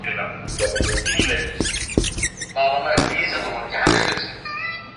শীতকাল বেশ দীর্ঘ।